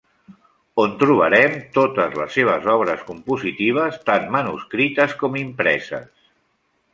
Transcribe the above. On trobarem totes les seves obres compositives tant manuscrites com impreses.